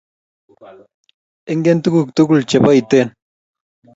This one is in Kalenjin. Ingen tuguk tugul chebo Iten